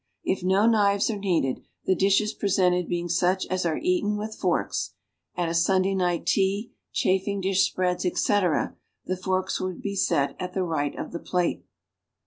If no knives are needed, the dishes presented being such as are eaten with forks (at a Sunday night tea, chafing dish spreads, etc.), the forks would be set at the right of the plate.